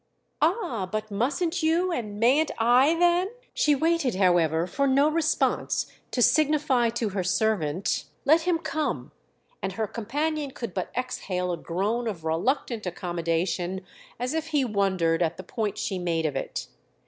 "Ah, but mustn't you—and mayn't I then?" She waited, however, for no response to signify to her servant "Let him come," and her companion could but exhale a groan of reluctant accommodation as if he wondered at the point she made of it.